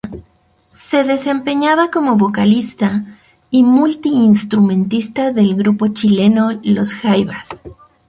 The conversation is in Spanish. Se desempeñaba como vocalista y multi instrumentista del grupo chileno Los Jaivas.